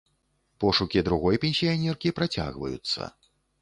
Пошукі другой пенсіянеркі працягваюцца.